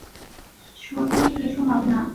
ছোটির কিছু হবে না।